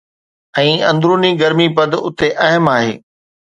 ۽ اندروني گرمي پد اتي اهم آهي